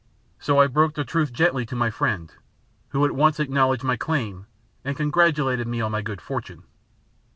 So I broke the truth gently to my friend, who at once acknowledged my claim and congratulated me on my good fortune.